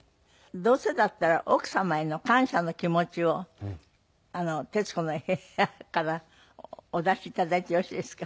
どうせだったら奥様への感謝の気持ちを『徹子の部屋』からお出し頂いてよろしいですか？